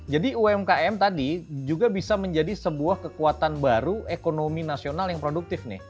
jadi umkm tadi juga bisa menjadi sebuah kekuatan baru ekonomi nasional yang produktif nih